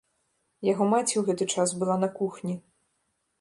Яго маці ў гэты час была на кухні.